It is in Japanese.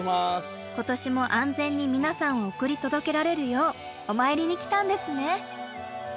今年も安全に皆さんを送り届けられるようお参りに来たんですね。